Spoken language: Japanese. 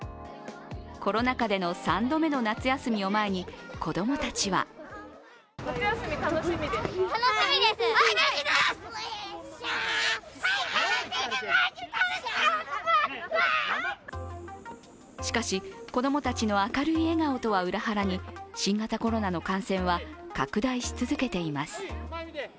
コロナ禍での３度目の夏休みを前に子供たちはしかし、子供たちの明るい笑顔とは裏腹に新型コロナの感染は拡大し続けています。